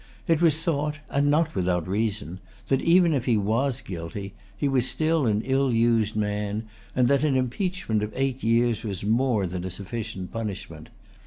It was thought, and not without reason, that, even if he was guilty, he was still an ill used man, and that an impeachment of eight years was more than a sufficient punishment.